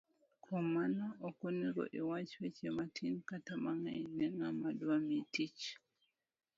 Kuom mano, okonego iwach weche matin kata mang'eny ne ng'ama dwami tich.